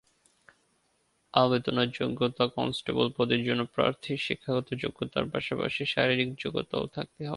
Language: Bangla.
আবেদনের যোগ্যতাকনস্টেবল পদের জন্য প্রার্থীর শিক্ষাগত যোগ্যতার পাশাপাশি শারীরিক যোগ্যতাও থাকতে হবে।